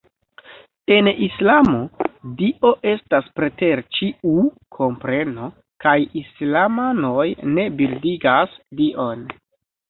En Islamo, Dio estas preter ĉiu kompreno kaj islamanoj ne bildigas Dion.